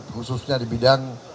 khususnya di bidang